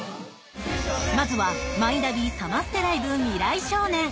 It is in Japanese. まずは「マイナビサマステライブ未来少年」